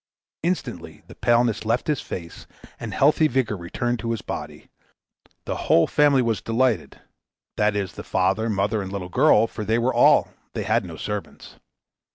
Instantly the paleness left his face, and healthy vigor returned to his body. The whole family were delighted that is, the father, mother, and little girl, for they were all; they had no servants.